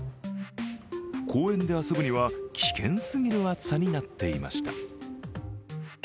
公園で遊ぶには危険すぎる暑さになっていました。